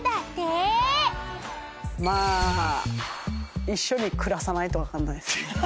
まあ一緒に暮らさないと分かんないですね。